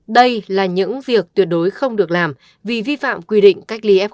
đây là những việc tuyệt đối không được làm vì vi phạm quy định cách ly f một